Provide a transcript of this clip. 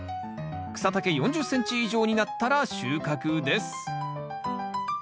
草丈４０ｃｍ以上になったら収穫です